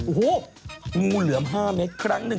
โอ้โหงูเหลือม๕เมตรครั้งหนึ่ง